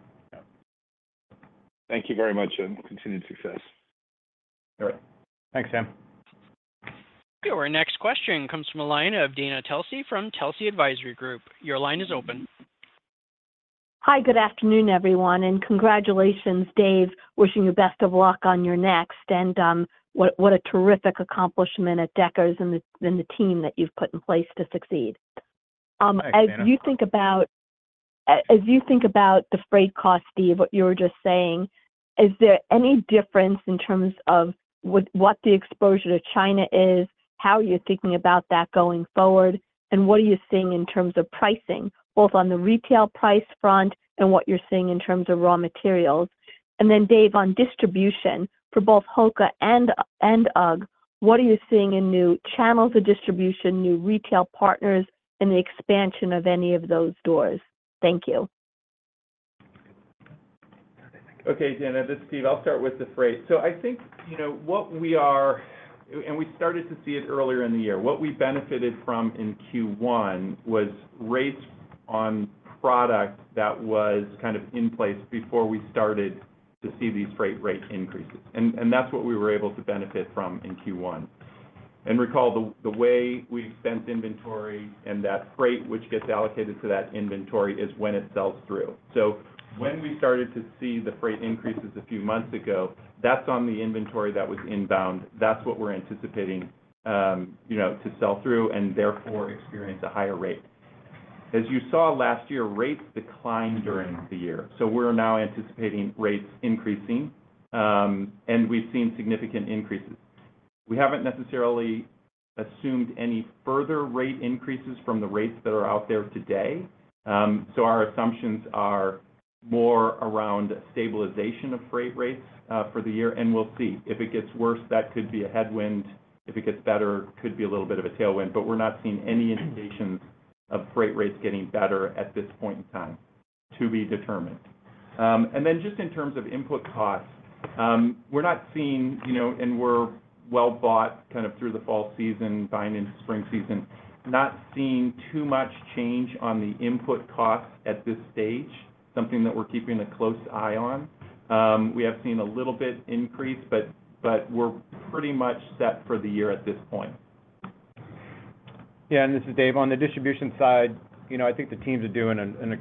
Thank you very much, and continued success. All right. Thanks, Sam. Okay, our next question comes from the line of Dana Telsey from Telsey Advisory Group. Your line is open. Hi. Good afternoon, everyone, and congratulations, Dave. Wishing you best of luck on your next, and what a terrific accomplishment at Deckers and the team that you've put in place to succeed. Thanks, Dana. As you think about the freight costs, Steve, what you were just saying, is there any difference in terms of what the exposure to China is? How are you thinking about that going forward, and what are you seeing in terms of pricing, both on the retail price front and what you're seeing in terms of raw materials? And then, Dave, on distribution for both HOKA and UGG, what are you seeing in new channels of distribution, new retail partners, and the expansion of any of those doors? Thank you. Okay, Dana, this is Steve. I'll start with the freight. So I think, you know, what we are. And we started to see it earlier in the year. What we benefited from in Q1 was rates on product that was kind of in place before we started to see these freight rate increases. And that's what we were able to benefit from in Q1. And recall, the way we expense inventory and that freight, which gets allocated to that inventory, is when it sells through. So when we started to see the freight increases a few months ago, that's on the inventory that was inbound. That's what we're anticipating, you know, to sell through and therefore experience a higher rate. As you saw last year, rates declined during the year, so we're now anticipating rates increasing, and we've seen significant increases. We haven't necessarily assumed any further rate increases from the rates that are out there today. So our assumptions are more around stabilization of freight rates for the year, and we'll see. If it gets worse, that could be a headwind. If it gets better, could be a little bit of a tailwind. But we're not seeing any indications of freight rates getting better at this point in time, to be determined. And then just in terms of input costs, we're not seeing, you know, and we're well bought kind of through the fall season, buying into spring season, not seeing too much change on the input costs at this stage, something that we're keeping a close eye on. We have seen a little bit increase, but we're pretty much set for the year at this point. Yeah, and this is Dave. On the distribution side, you know, I think the teams are doing an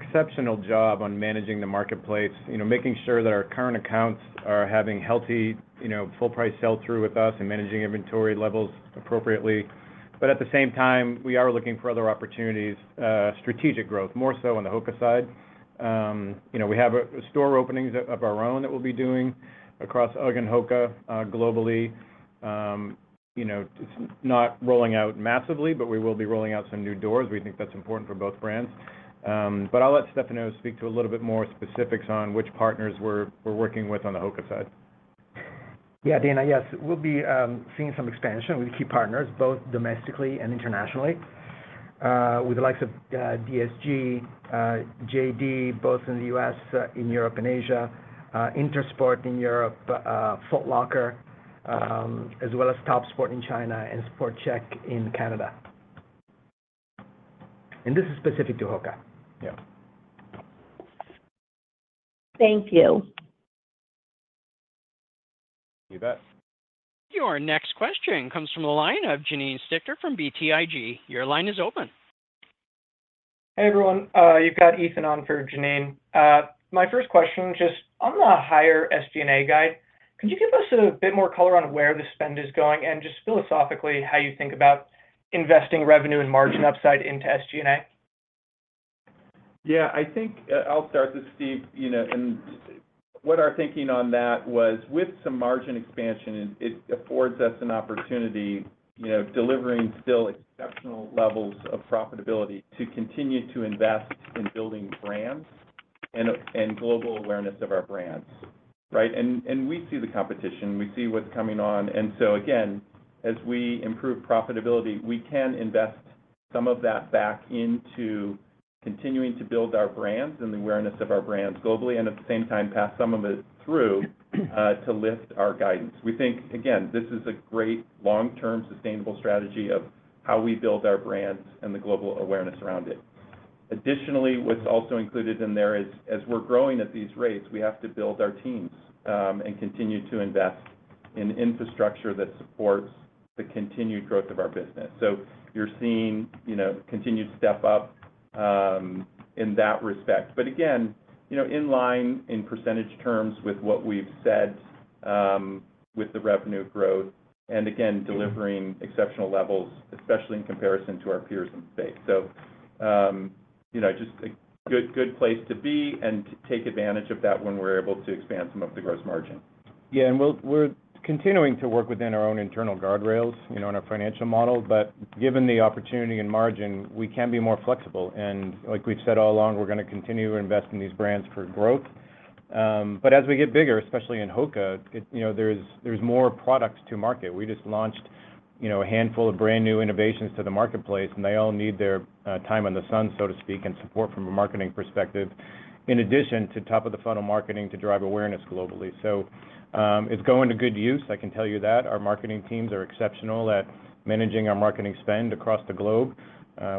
exceptional job on managing the marketplace. You know, making sure that our current accounts are having healthy, you know, full price sell-through with us and managing inventory levels appropriately. But at the same time, we are looking for other opportunities, strategic growth, more so on the HOKA side. You know, we have store openings of our own that we'll be doing across UGG and HOKA, globally. You know, it's not rolling out massively, but we will be rolling out some new doors. We think that's important for both brands. But I'll let Stefano speak to a little bit more specifics on which partners we're working with on the HOKA side. Yeah, Dana, yes, we'll be seeing some expansion with key partners, both domestically and internationally, with the likes of DSG, JD, both in the U.S., in Europe and Asia, Intersport in Europe, Foot Locker, as well as Topsports in China and Sport Chek in Canada. This is specific to HOKA? Yeah. Thank you. You bet. Your next question comes from the line of Janine Stichter from BTIG. Your line is open. Hey, everyone. You've got Ethan on for Janine. My first question, just on the higher SG&A guide, could you give us a bit more color on where the spend is going and just philosophically, how you think about investing revenue and margin upside into SG&A? Yeah, I think I'll start this, Steve. You know, what our thinking on that was with some margin expansion, it affords us an opportunity, you know, delivering still exceptional levels of profitability to continue to invest in building brands and global awareness of our brands, right? And we see the competition. We see what's coming on. And so again, as we improve profitability, we can invest some of that back into continuing to build our brands and the awareness of our brands globally, and at the same time, pass some of it through to lift our guidance. We think, again, this is a great long-term sustainable strategy of how we build our brands and the global awareness around it. Additionally, what's also included in there is, as we're growing at these rates, we have to build our teams, and continue to invest in infrastructure that supports the continued growth of our business. So you're seeing, you know, continued step up, in that respect. But again, you know, in line in percentage terms with what we've said, with the revenue growth, and again, delivering exceptional levels, especially in comparison to our peers in the space. So, you know, just a good, good place to be and to take advantage of that when we're able to expand some of the gross margin. Yeah, and we're continuing to work within our own internal guardrails, you know, in our financial model. But given the opportunity and margin, we can be more flexible, and like we've said all along, we're gonna continue to invest in these brands for growth. But as we get bigger, especially in HOKA, you know, there's, there's more products to market. We just launched, you know, a handful of brand new innovations to the marketplace, and they all need their time in the sun, so to speak, and support from a marketing perspective, in addition to top-of-the-funnel marketing to drive awareness globally. So, it's going to good use, I can tell you that. Our marketing teams are exceptional at managing our marketing spend across the globe.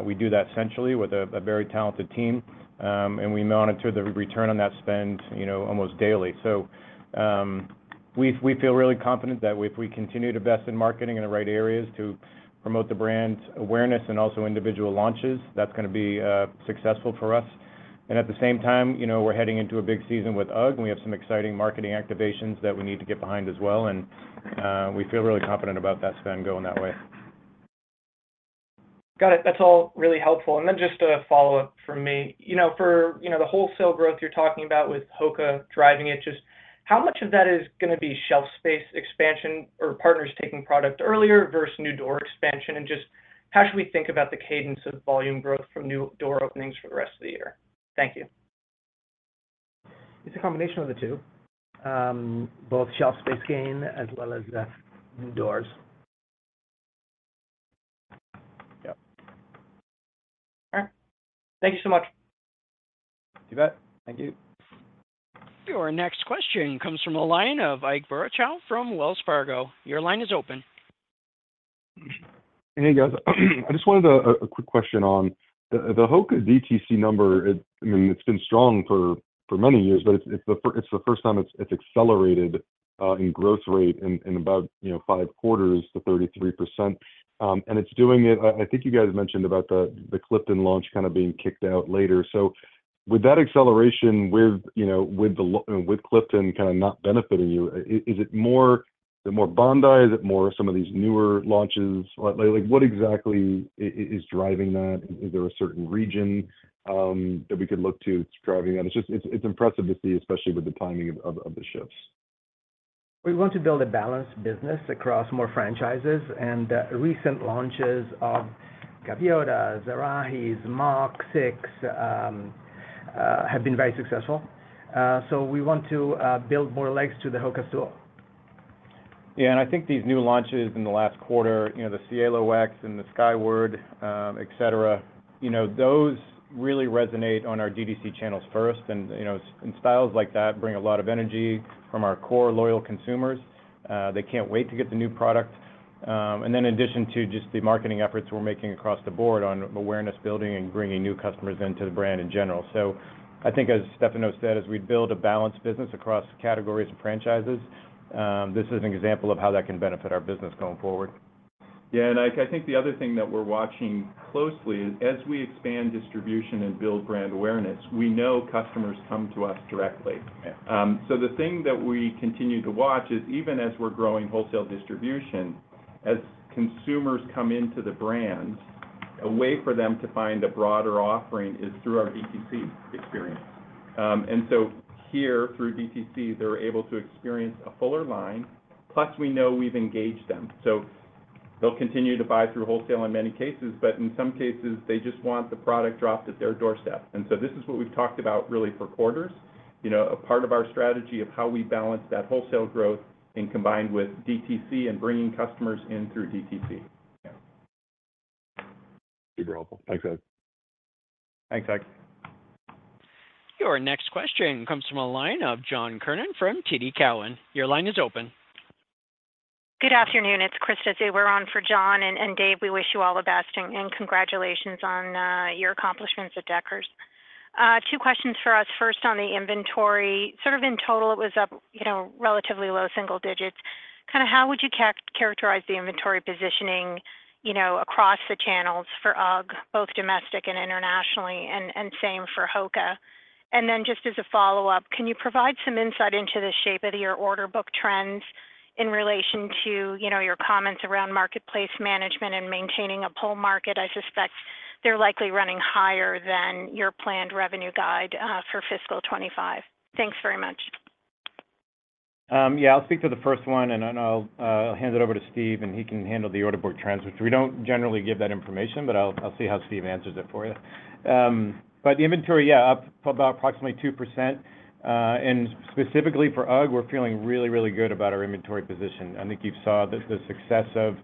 We do that centrally with a very talented team, and we monitor the return on that spend, you know, almost daily. So, we feel really confident that if we continue to invest in marketing in the right areas to promote the brand awareness and also individual launches, that's gonna be successful for us. And at the same time, you know, we're heading into a big season with UGG, and we have some exciting marketing activations that we need to get behind as well, and we feel really confident about that spend going that way. Got it. That's all really helpful. And then just a follow-up from me. You know, for, you know, the wholesale growth you're talking about with HOKA driving it, just how much of that is gonna be shelf space expansion or partners taking product earlier versus new door expansion? And just how should we think about the cadence of volume growth from new door openings for the rest of the year? Thank you. It's a combination of the two, both shelf space gain as well as, new doors. Yep. All right. Thank you so much. You bet. Thank you. Your next question comes from the line of Ike Boruchow from Wells Fargo. Your line is open. Hey, guys. I just wanted a quick question on the HOKA DTC number. I mean, it's been strong for many years, but it's the first time it's accelerated in growth rate in about, you know, five quarters to 33%. And it's doing it. I think you guys mentioned about the Clifton launch kind of being kicked out later. So with that acceleration, with, you know, with Clifton kind of not benefiting you, is it more the Bondi? Is it more some of these newer launches? Like, what exactly is driving that? Is there a certain region that we could look to that's driving that? It's just it's impressive to see, especially with the timing of the shifts. We want to build a balanced business across more franchises, and the recent launches of Gaviota, Arahi, Mach 6, have been very successful. So we want to build more legs to the HOKA stool. Yeah, and I think these new launches in the last quarter, you know, the Cielo X and the Skyward, et cetera, you know, those really resonate on our DTC channels first. And, you know, and styles like that bring a lot of energy from our core loyal consumers. They can't wait to get the new product. And then in addition to just the marketing efforts we're making across the board on awareness building and bringing new customers into the brand in general. So I think as Stefano said, as we build a balanced business across categories and franchises, this is an example of how that can benefit our business going forward. Yeah, and Ike, I think the other thing that we're watching closely is, as we expand distribution and build brand awareness, we know customers come to us directly. Yeah. So the thing that we continue to watch is, even as we're growing wholesale distribution, as consumers come into the brand, a way for them to find a broader offering is through our DTC experience. And so here, through DTC, they're able to experience a fuller line, plus we know we've engaged them. So they'll continue to buy through wholesale in many cases, but in some cases, they just want the product dropped at their doorstep. And so this is what we've talked about really for quarters, you know, a part of our strategy of how we balance that wholesale growth and combined with DTC and bringing customers in through DTC. Yeah. Super helpful. Thanks, guys. Thanks, Ike. Your next question comes from the line of John Kernan from TD Cowen. Your line is open. Good afternoon. It's Krista Zuber. We're on for John, and Dave, we wish you all the best, and congratulations on your accomplishments at Deckers. Two questions for us. First, on the inventory, sort of in total, it was up, you know, relatively low single digits. Kind of how would you characterize the inventory positioning, you know, across the channels for UGG, both domestic and internationally, and same for HOKA? And then just as a follow-up, can you provide some insight into the shape of your order book trends in relation to, you know, your comments around marketplace management and maintaining a pull market? I suspect they're likely running higher than your planned revenue guide for fiscal 2025. Thanks very much. Yeah, I'll speak to the first one, and then I'll hand it over to Steve, and he can handle the order book trends, which we don't generally give that information, but I'll see how Steve answers it for you. But the inventory, yeah, up about approximately 2%. And specifically for UGG, we're feeling really, really good about our inventory position. I think you've saw the success of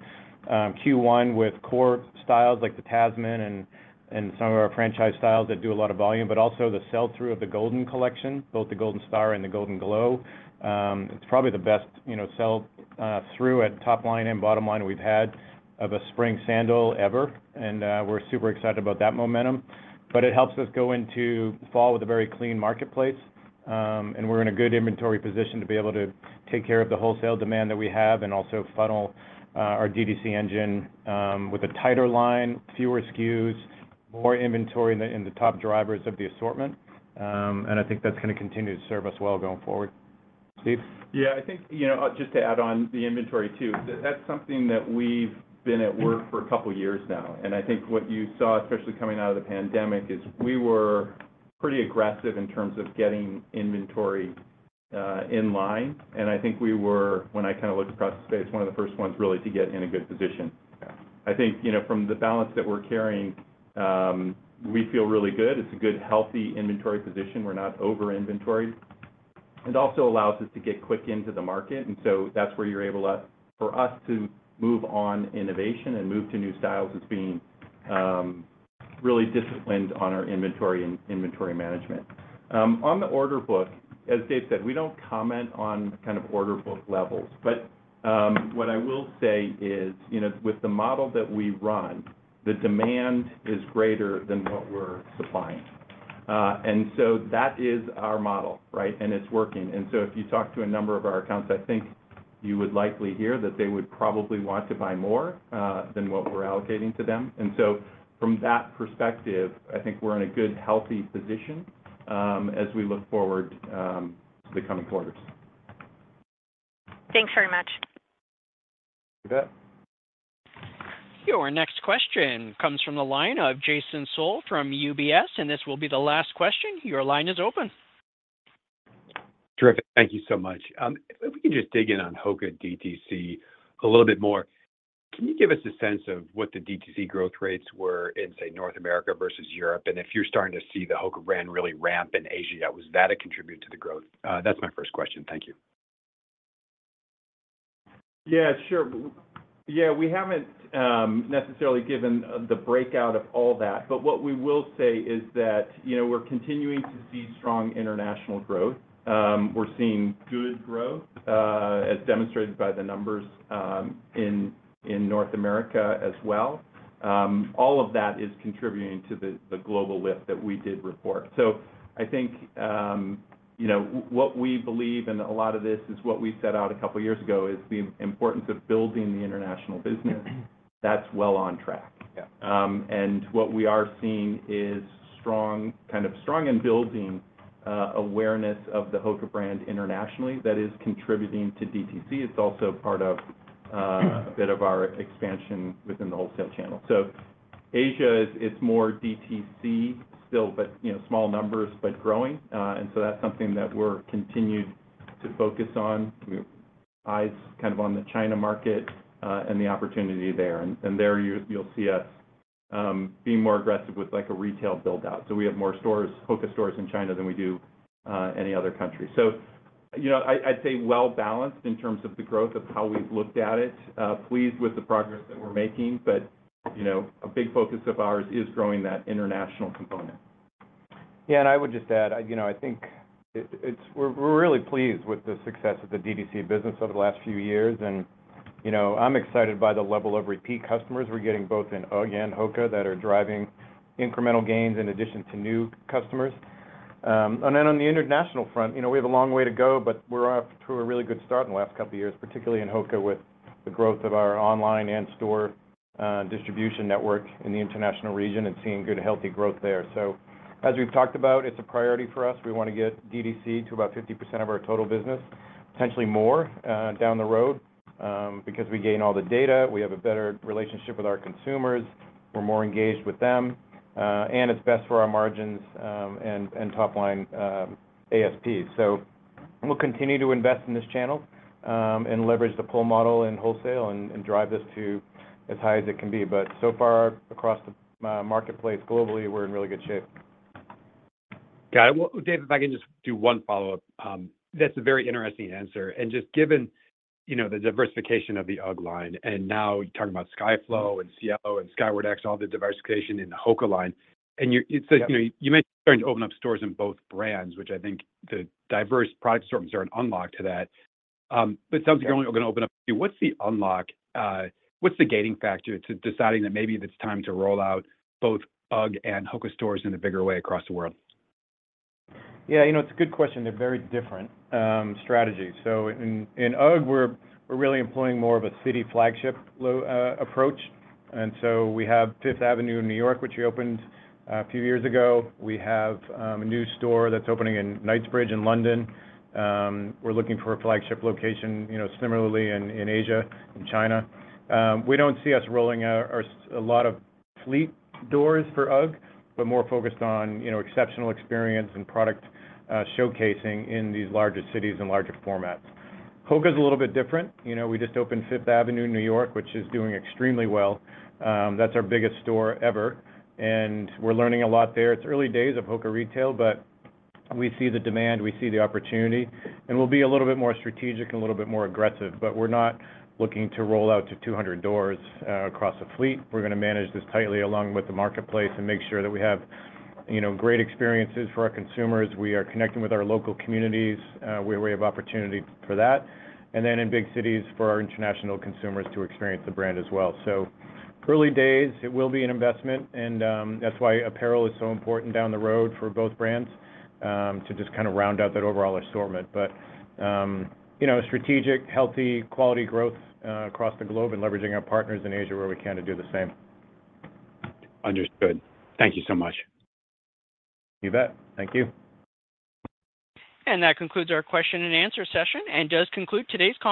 Q1 with core styles like the Tasman and some of our franchise styles that do a lot of volume, but also the sell-through of the Golden Collection, both the Goldenstar and the GoldenGlow. It's probably the best, you know, sell-through at top line and bottom line we've had of a spring sandal ever, and we're super excited about that momentum. It helps us go into fall with a very clean marketplace, and we're in a good inventory position to be able to take care of the wholesale demand that we have and also funnel our DTC engine with a tighter line, fewer SKUs, more inventory in the top drivers of the assortment. I think that's gonna continue to serve us well going forward. Steve? Yeah, I think, you know, just to add on the inventory too, that's something that we've been at work for a couple of years now, and I think what you saw, especially coming out of the pandemic, is we were pretty aggressive in terms of getting inventory in line. And I think we were, when I kind of looked across the space, one of the first ones really to get in a good position. Yeah. I think, you know, from the balance that we're carrying, we feel really good. It's a good, healthy inventory position. We're not over-inventoried. It also allows us to get quick into the market, and so that's where you're able to for us to move on innovation and move to new styles is being really disciplined on our inventory and inventory management. On the order book, as Dave said, we don't comment on kind of order book levels, but what I will say is, you know, with the model that we run, the demand is greater than what we're supplying.... And so that is our model, right? And it's working. And so if you talk to a number of our accounts, I think you would likely hear that they would probably want to buy more than what we're allocating to them. So from that perspective, I think we're in a good, healthy position, as we look forward to the coming quarters. Thanks very much. You bet. Your next question comes from the line of Jay Sole from UBS, and this will be the last question. Your line is open. Terrific. Thank you so much. If we can just dig in on HOKA DTC a little bit more, can you give us a sense of what the DTC growth rates were in, say, North America versus Europe? And if you're starting to see the HOKA brand really ramp in Asia, was that a contributor to the growth? That's my first question. Thank you. Yeah, sure. Yeah, we haven't necessarily given the breakout of all that, but what we will say is that, you know, we're continuing to see strong international growth. We're seeing good growth, as demonstrated by the numbers, in North America as well. All of that is contributing to the global lift that we did report. So I think, you know, what we believe, and a lot of this is what we set out a couple of years ago, is the importance of building the international business. That's well on track. Yeah. And what we are seeing is strong, kind of strong and building awareness of the HOKA brand internationally that is contributing to DTC. It's also part of a bit of our expansion within the wholesale channel. So Asia is, it's more DTC still, but, you know, small numbers, but growing. And so that's something that we're continued to focus on, with eyes kind of on the China market, and the opportunity there. And there, you'll see us being more aggressive with, like, a retail build-out. So we have more stores, HOKA stores in China than we do any other country. So, you know, I'd say well-balanced in terms of the growth of how we've looked at it. Pleased with the progress that we're making, but, you know, a big focus of ours is growing that international component. Yeah, and I would just add, you know, I think it's-- we're really pleased with the success of the DTC business over the last few years and, you know, I'm excited by the level of repeat customers we're getting both in UGG and HOKA that are driving incremental gains in addition to new customers. And then on the international front, you know, we have a long way to go, but we're off to a really good start in the last couple of years, particularly in HOKA, with the growth of our online and store distribution network in the international region and seeing good, healthy growth there. So as we've talked about, it's a priority for us. We want to get DTC to about 50% of our total business, potentially more, down the road, because we gain all the data, we have a better relationship with our consumers, we're more engaged with them, and it's best for our margins, and top line, ASPs. So we'll continue to invest in this channel, and leverage the pull model in wholesale and drive this to as high as it can be. But so far, across the marketplace, globally, we're in really good shape. Got it. Well, Dave, if I can just do one follow-up. That's a very interesting answer. And just given, you know, the diversification of the UGG line, and now you're talking about Skyflow and Cielo and Skyward X, all the diversification in the HOKA line, and you- Yeah. So, you know, you mentioned starting to open up stores in both brands, which I think the diverse product stores are an unlock to that. But it sounds like you're only going to open up a few. What's the unlock, what's the gating factor to deciding that maybe it's time to roll out both UGG and HOKA stores in a bigger way across the world? Yeah, you know, it's a good question. They're very different strategies. So in UGG, we're really employing more of a city flagship approach. And so we have Fifth Avenue in New York, which we opened a few years ago. We have a new store that's opening in Knightsbridge, in London. We're looking for a flagship location, you know, similarly in Asia, in China. We don't see us rolling out a lot of fleet doors for UGG, but more focused on, you know, exceptional experience and product showcasing in these larger cities and larger formats. HOKA is a little bit different. You know, we just opened Fifth Avenue in New York, which is doing extremely well. That's our biggest store ever, and we're learning a lot there. It's early days of HOKA retail, but we see the demand, we see the opportunity, and we'll be a little bit more strategic and a little bit more aggressive. But we're not looking to roll out to 200 doors across a fleet. We're gonna manage this tightly, along with the marketplace, and make sure that we have, you know, great experiences for our consumers. We are connecting with our local communities where we have opportunity for that, and then in big cities, for our international consumers to experience the brand as well. So early days, it will be an investment, and that's why apparel is so important down the road for both brands to just kind of round out that overall assortment. You know, strategic, healthy, quality growth across the globe and leveraging our partners in Asia where we can to do the same. Understood. Thank you so much. You bet. Thank you. That concludes our question and answer session, and does conclude today's call.